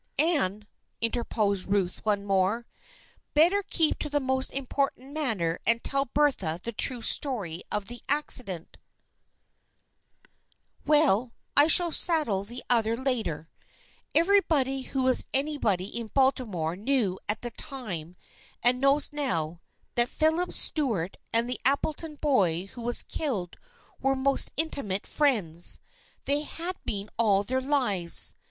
Anne," interposed Ruth once more. " Better keep to the most important matter and tell Bertha the true story of the accident" 242 THE FRIENDSHIP OF ANNE " Well, I shall settle the other later. Everybody who is anybody in Baltimore knew at the time and knows now, that Philip Stuart and the Appleton boy who was killed were most intimate friends. They had been all their lives.